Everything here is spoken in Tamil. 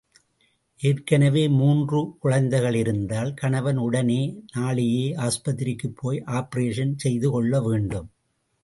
ஏற்கனவே மூன்று குழந்தைகளிருந்தால் கணவன் உடனே நாளையே ஆஸ்பத்திரிக்குப் போய் ஆப்பரேஷன் செய்து கொள்ள வேண்டும்.